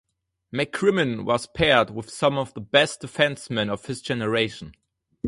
McCrimmon was paired with some of the best defencemen of his generation.